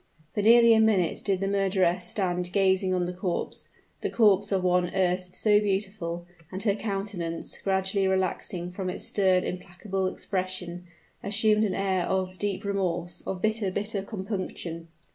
For nearly a minute did the murderess stand gazing on the corpse the corpse of one erst so beautiful; and her countenance, gradually relaxing from its stern, implacable expression, assumed an air of deep remorse of bitter, bitter compunction.